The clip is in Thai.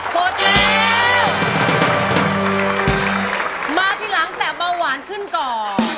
กดแล้วมาทีหลังแต่เบาหวานขึ้นก่อน